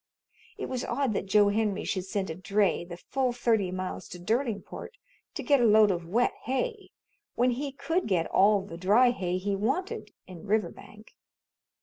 It was odd that Joe Henry should send a dray the full thirty miles to Derlingport to get a load of wet hay, when he could get all the dry hay he wanted in Riverbank.